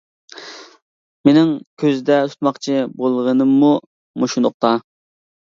مېنىڭ كۆزدە تۇتماقچى بولغىنىممۇ مۇشۇ نۇقتا.